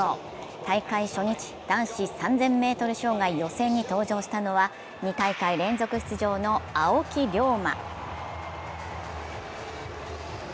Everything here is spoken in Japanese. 大会初日、男子３０００ｍ障害予選に登場したのは２大会連続出場の青木涼真。